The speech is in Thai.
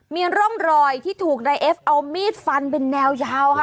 มีร่องรอยที่ถูกนายเอฟเอามีดฟันเป็นแนวยาวค่ะ